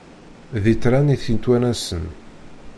D itran i t-ittwanasen.